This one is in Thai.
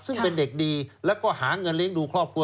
ซึ่งเป็นเด็กดีแล้วก็หาเงินเลี้ยงดูครอบครัว